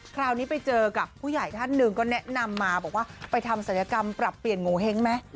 คราวนี้ไปเจอกับผู้ใหญ่ท่านหนึ่งก็แนะนำมาบอกว่าไปทำศัลยกรรมปรับเปลี่ยนโงเห้งไหม